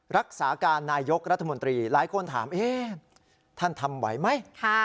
รักษาการนายกรัฐมนตรีหลายคนถามท่านทำไหวไหม